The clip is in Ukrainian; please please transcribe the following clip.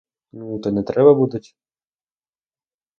Ну, то й не треба будить.